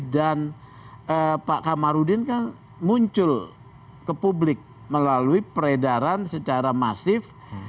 dan pak kamarudin kan muncul ke publik melalui peredaran secara masif